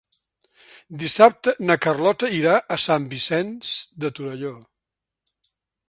Dissabte na Carlota irà a Sant Vicenç de Torelló.